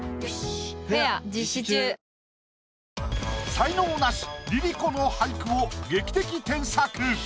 才能ナシＬｉＬｉＣｏの俳句を劇的添削。